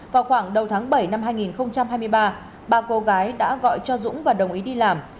vào khoảng đầu tháng bảy năm hai nghìn hai mươi ba ba cô gái đã gọi cho dũng và đồng ý đi làm